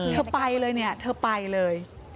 เธอไปเลยเนี่ย